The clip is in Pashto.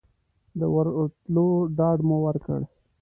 د ورتلو ډاډ مو ورکړ.